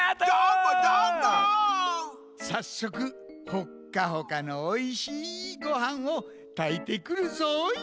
さっそくほっかほかのおいしいごはんをたいてくるぞい！